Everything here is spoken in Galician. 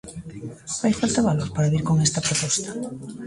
Fai falta valor para vir con esta proposta.